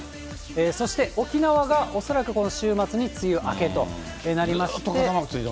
そして沖縄が、恐らくこの週末に梅雨明けとなりまして。